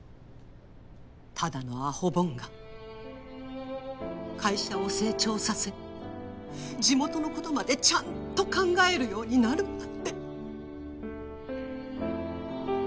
ただのアホボンが会社を成長させ地元のことまでちゃんと考えるようになるなんて。